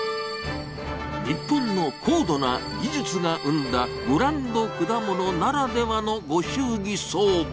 日本の高度な技術が生んだブランど果物ならではのご祝儀相場。